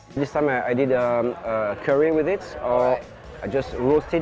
kali ini saya membuat kue dengannya atau saya hanya menggoreng buah buahan